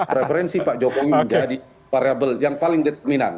preferensi pak jokowi menjadi variable yang paling determinan